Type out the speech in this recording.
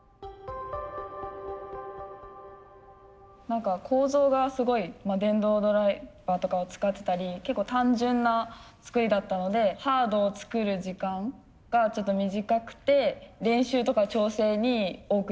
何か構造がすごい電動ドライバーとかを使ってたり結構単純な作りだったのでハードを作る時間がちょっと短くて練習とか調整に多く時間を充てられたから。